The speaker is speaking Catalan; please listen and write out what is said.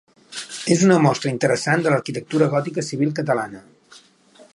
És una mostra interessant de l'arquitectura gòtica civil catalana.